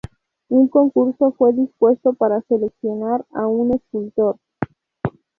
Un concurso fue dispuesto para seleccionar a un escultor.